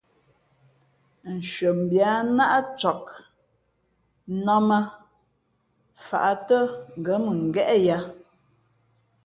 Nshʉαmbhi á nāʼ cak, nnām ā, fǎʼ tά ngα̌ mʉngéʼ yǎ.